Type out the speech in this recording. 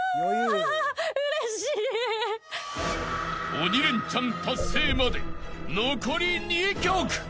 ［鬼レンチャン達成まで残り２曲］